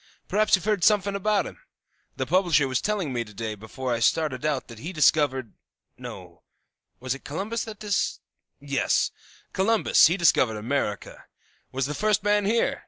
Perhaps you've heard sumfin' about him? The publisher was telling me to day before I started out that he discovered no; was it Columbus that dis oh, yes, Columbus he discovered America, was the first man here.